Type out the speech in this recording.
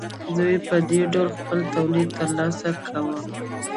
دوی په دې ډول خپل تولید ترسره کاوه